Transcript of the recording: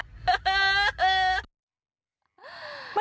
ฮ่าฮ่าฮ่า